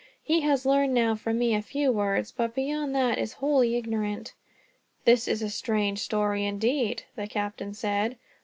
He has learned now from me a few words; but beyond that, is wholly ignorant." "This is a strange story, indeed," the captain said.